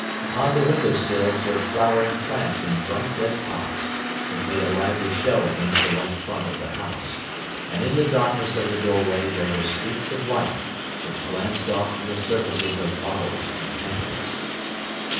Upon the window sills were flowering plants in bright red pots, which made a lively show against the white front of the house; and in the darkness of the doorway there were streaks of light, which glanced off from the surfaces of bottles and tankards.